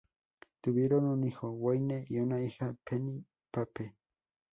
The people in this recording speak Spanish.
Tuvieron un hijo, Wayne y una hija, Penny Pape.